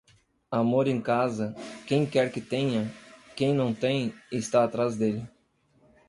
Amor em casa, quem quer que tenha; quem não tem, está atrás dele.